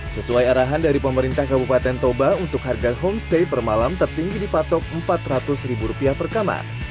sesuai arahan dari pemerintah kabupaten toba untuk harga homestay per malam tertinggi dipatok rp empat ratus per kamar